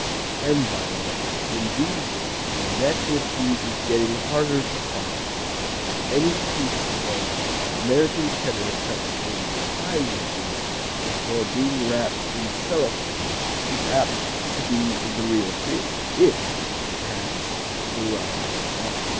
And by the way, in these days when natural cheese is getting harder to find, any piece of American Cheddar cut in pie wedges before being wrapped in cellophane is apt to be the real thing if it has the rind on.